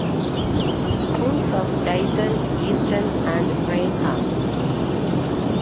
Towns of Dighton, Easton, and Raynham.